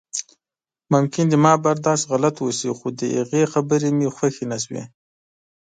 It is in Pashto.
ممکن زما برداشت غلط اوسي خو د هغې خبرې مې خوښې نشوې.